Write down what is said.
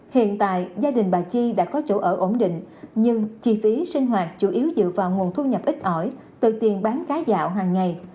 hiện tại gia đình bà chi đã có chỗ ở ổn định nhưng chi phí sinh hoạt chủ yếu dựa vào nguồn thu nhập ít ỏi từ tiền bán cá dạo hàng ngày